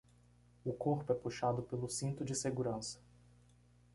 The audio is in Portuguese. O corpo é puxado pelo cinto de segurança